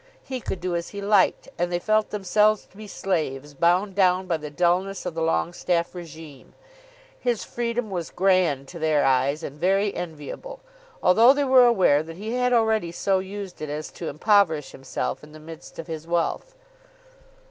He could do as he liked, and they felt themselves to be slaves, bound down by the dulness of the Longestaffe regime. His freedom was grand to their eyes, and very enviable, although they were aware that he had already so used it as to impoverish himself in the midst of his wealth.